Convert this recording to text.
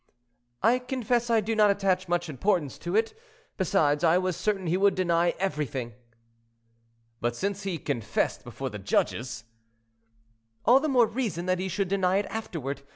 "I confess I do not attach much importance to it; besides, I was certain he would deny everything." "But since he confessed before the judges—" "All the more reason that he should deny it afterward.